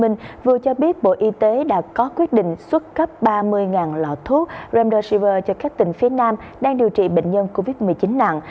bệnh tật tp hcm vừa cho biết bộ y tế đã có quyết định xuất cấp ba mươi lọ thuốc remdesivir cho các tỉnh phía nam đang điều trị bệnh nhân covid một mươi chín nặng